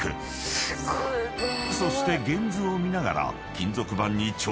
［そして原図を見ながら］